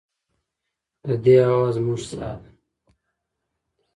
د دې هوا زموږ ساه ده